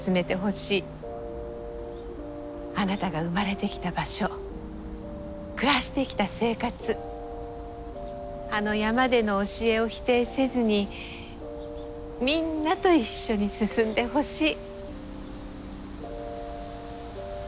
あなたが生まれてきた場所暮らしてきた生活あの山での教えを否定せずにみんなと一緒に進んでほしい。